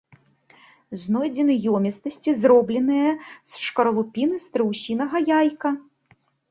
Знойдзены ёмістасці, зробленыя з шкарлупіны страусінага яйка.